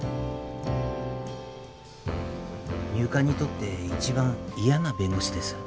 入管にとって一番嫌な弁護士です。